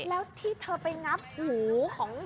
แล้วที่เธอไปงับหูของ